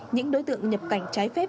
những đối tượng nhập cảnh trái phép